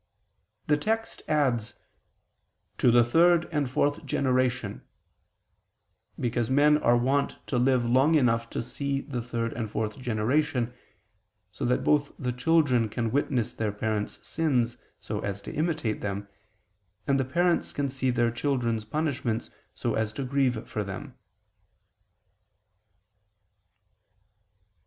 The text adds, "to the third and fourth generation," because men are wont to live long enough to see the third and fourth generation, so that both the children can witness their parents' sins so as to imitate them, and the parents can see their children's punishments so as to grieve for them.